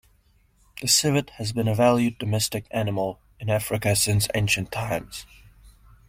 The civet has been a valued domestic animal in Africa since ancient times.